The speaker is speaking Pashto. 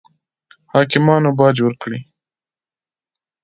حاکمانو باج ورکړي.